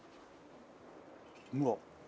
うわっ！